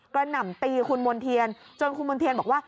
หน่ำตีคุณมณ์เทียนจนคุณมณ์เทียนบอกว่า